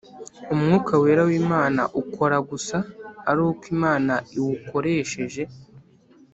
umwuka wera w’Imana ukora gusa ari uko Imana iwukoresheje